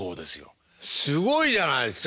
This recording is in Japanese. すごいじゃないですか！